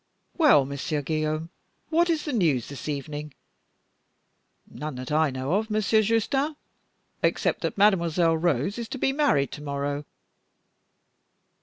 "Well, Monsieur Guillaume, what is the news this evening?" "None that I know of, Monsieur Justin, except that Mademoiselle Rose is to be married to morrow."